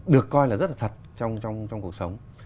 được coi là rất là thật trong cuộc sống